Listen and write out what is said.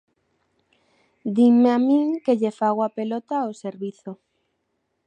Dinme a min que lle fago a pelota ao servizo.